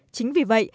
chính vì vậy